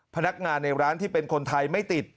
พนักงานในร้านที่เป็นคนไทยไม่ติด